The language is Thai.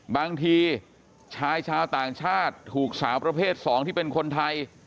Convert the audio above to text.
บางทีชายชาวต่างชาติถูกสาวประเภท๒ที่เป็นคนไทย